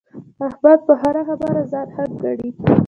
احمد په هره خبره ځان حق ګڼي.